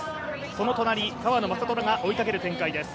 その隣、川野将虎が追いかける展開です。